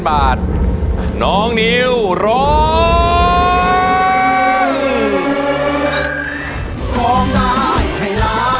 ขายังไง